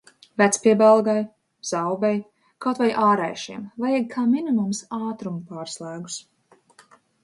Vecpiebalgai, Zaubei, kaut vai Āraišiem vajag kā minimums ātrumu pārslēgus.